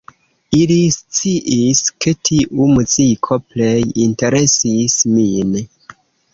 Ili sciis, ke tiu muziko plej interesis min.